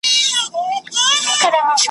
ډلي ډلي مي له لاري دي ايستلي `